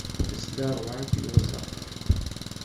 Tezla ṛebɛa n tyuẓaḍ.